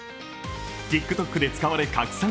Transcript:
ＴｉｋＴｏｋで使われ拡散。